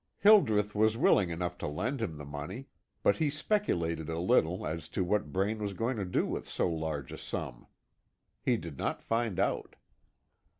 Hildreth was willing enough to lend him the money, but he speculated a little as to what Braine was going to do with so large a sum. He did not find out.